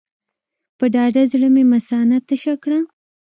په ډاډه زړه مې مثانه تشه کړه.